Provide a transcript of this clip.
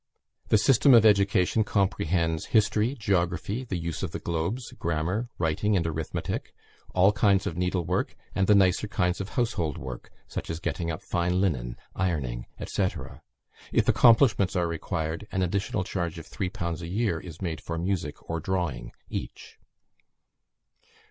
The system of education comprehends history, geography, the use of the globes, grammar, writing and arithmetic, all kinds of needlework, and the nicer kinds of household work such as getting up fine linen, ironing, &c. If accomplishments are required, an additional charge of 3_l_. a year is made for music or drawing, each."